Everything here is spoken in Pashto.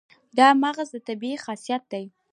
دا د مغز طبیعي خاصیت دی.